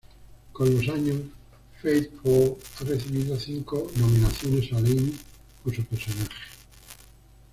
Con los años, Faith Ford ha recibido cinco nominaciones al Emmy por su personaje.